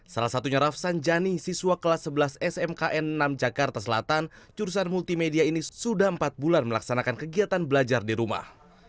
salah satunya rafsan jani siswa kelas sebelas smkn enam jakarta selatan jurusan multimedia ini sudah empat bulan melaksanakan kegiatan belajar di rumah